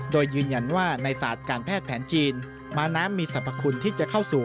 โดยยืนยันว่าในศาสตร์การแพทย์แผนจีนม้าน้ำมีสรรพคุณที่จะเข้าสู่